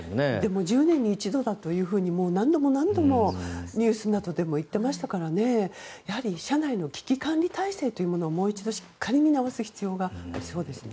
１０年に一度だと何度も何度もニュースでも言っていましたから車内の危機管理体制をもう一度しっかり見直す必要がありそうですね。